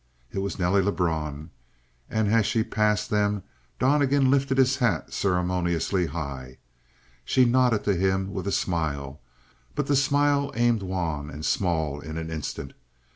It was Nelly Lebrun. And as she passed them. Donnegan lifted his hat ceremoniously high. She nodded to him with a smile, but the smile aimed wan and small in an instant.